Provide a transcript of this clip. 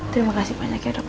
terima kasih banyak ya dok